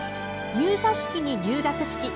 入社式に入学式。